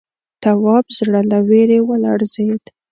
تواب زړه له وېرې ولړزېد.